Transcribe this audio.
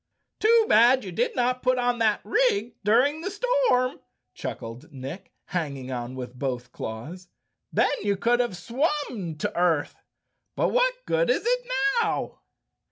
"Too bad you did not put on that rig during the storm," chuckled Nick, hanging on with both claws. "Then you could have swum to earth. But what good is it now?"